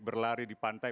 berlari di pantai